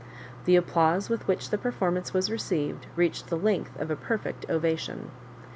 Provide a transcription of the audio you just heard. The ap plause with which the performance was received reached the length of a perfect ovation.